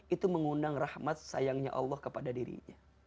itu mengundang rahmat sayangnya allah kepada dirinya